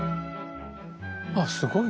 あっすごい！